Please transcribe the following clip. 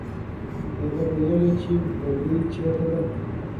آیا ته پوهېږې چې ببۍ چېرته ده؟